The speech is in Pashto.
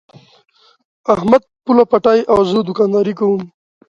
احمد پوله پټی او زه دوکانداري کوم.